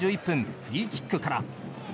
フリーキックから。